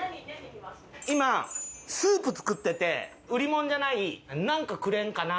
今スープ作ってて売り物じゃないなんかくれんかな？